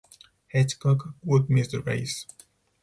Hedgecock would miss the race.